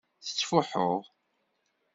Tettfuḥu.